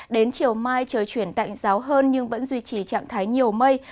đến chiều mai trời chuyển tạnh giáo hơn nhưng vẫn duy trì trạng thái nhiều mây